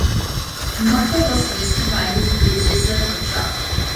Notker was suggested by his predecessor Purchart.